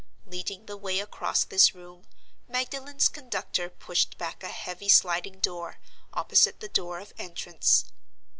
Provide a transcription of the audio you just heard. Leading the way across this room, Magdalen's conductor pushed back a heavy sliding door, opposite the door of entrance.